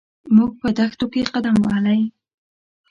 موږ په دښتو کې قدم وهلی.